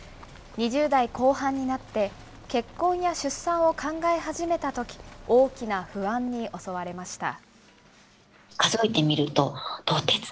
２０代後半になって結婚や出産を考え始めたとき大きな不安に襲われました。